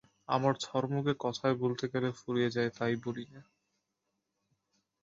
আমার ধর্মকে কথায় বলতে গেলে ফুরিয়ে যায় তাই বলি নে।